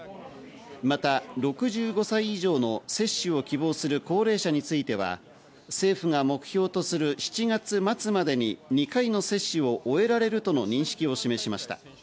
また６５歳以上の接種を希望する高齢者については、政府が目標とする７月末までに２回の接種を終えられるとの認識を示しました。